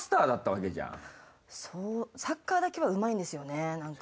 そうサッカーだけはうまいんですよねなんか。